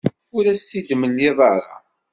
Ur as-t-id-temliḍ ara.